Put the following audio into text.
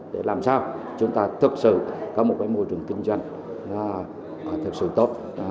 để làm sao chúng ta thực sự có một môi trường kinh doanh thật sự tốt